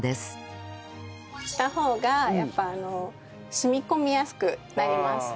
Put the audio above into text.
した方がやっぱ染み込みやすくなります。